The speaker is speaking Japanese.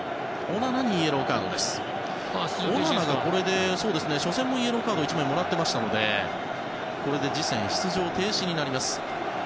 オナナはこれで、初戦も１枚イエローカードをもらっていましたのでこれで次戦出場停止になります。